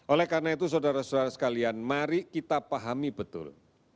oleh karena itu saudara saudara sekalian mari kita pahami betul